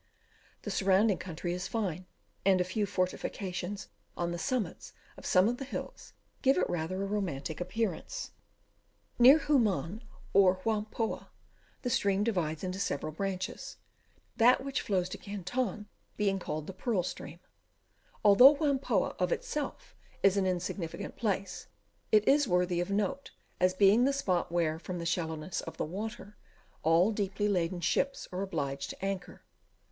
The surrounding country is fine, and a few fortifications on the summits of some of the hills, give it rather a romantic appearance. Near Hoo man, or Whampoa, the stream divides into several branches; that which flows to Canton being called the Pearl stream. Although Whampoa of itself is an insignificant place, it is worthy of note, as being the spot where, from the shallowness of the water, all deeply laden ships are obliged to anchor.